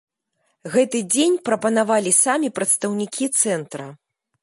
Гэты дзень прапанавалі самі прадстаўнікі цэнтра.